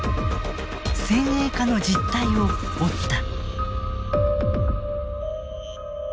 先鋭化の実態を追った。